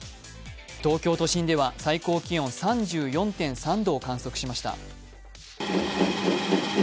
東京都心では最高気温３４．３度を観測しました。